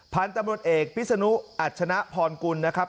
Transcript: พันธุ์ตำรวจเอกพิศนุอัชนะพรกุลนะครับ